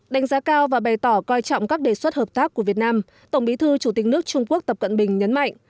đánh giá cao và bày tỏ coi trọng các đề xuất hợp tác của việt nam tổng bí thư chủ tịch nước trung quốc tập cận bình nhấn mạnh